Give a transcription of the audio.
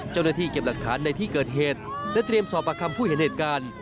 เจ้าหน้าที่เก็บหลักฐานในที่เกิดเหตุและเตรียมสอบประคำผู้เห็นเหตุการณ์